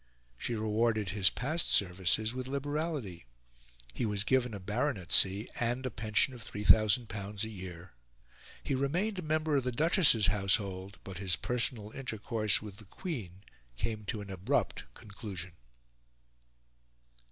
She rewarded his past services with liberality: he was given a baronetcy and a pension of L3000 a year; he remained a member of the Duchess's household, but his personal intercourse with the Queen came to an abrupt conclusion.